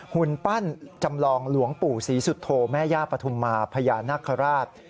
หุ่นปั้นจำลองหลวงปู่ศรีสุโธแม่ย่าปฐุมมาพญานาคาราช